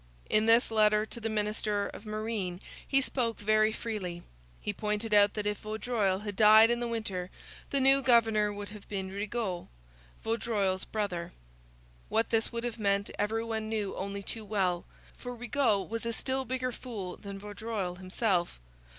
In this letter to the minister of Marine he spoke very freely. He pointed out that if Vaudreuil had died in the winter the new governor would have been Rigaud, Vaudreuil's brother. What this would have meant every one knew only too well; for Rigaud was a still bigger fool than Vaudreuil himself.